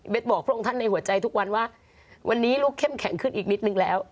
บอกพระองค์ท่านในหัวใจทุกวันว่าวันนี้ลูกเข้มแข็งขึ้นอีกนิดนึงแล้ว